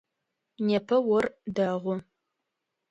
Непэ ор дэгъу.